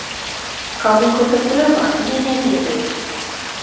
Каму гэта трэба, я не ведаю.